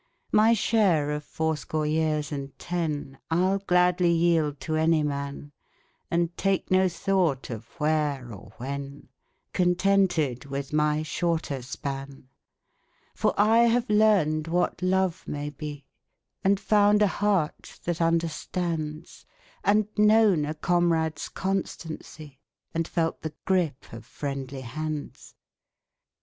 My share of fourscore years and ten I'll gladly yield to any man, And take no thought of " where " or " when," Contented with my shorter span. 32 BETTER FAR TO PASS AWAY 33 For I have learned what love may be, And found a heart that understands, And known a comrade's constancy, And felt the grip of friendly hands.